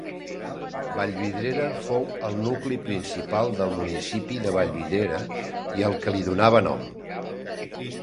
Vallvidrera fou el nucli principal del municipi de Vallvidrera i el que li donava nom.